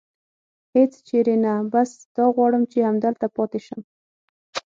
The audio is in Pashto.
هېڅ چېرې نه، بس دا غواړم چې همدلته پاتې شم.